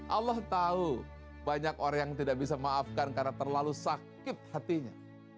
allah tahu banyak orang yang tidak bisa maafkan karena terlalu sakit hatinya